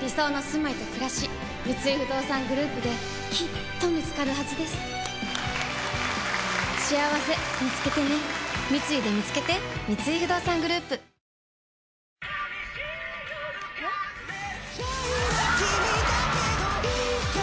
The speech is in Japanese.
理想のすまいとくらし三井不動産グループできっと見つかるはずですしあわせみつけてね三井でみつけて日やけ止めで透明感を生み出す。